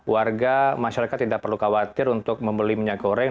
warga masyarakat tidak perlu khawatir untuk membeli minyak goreng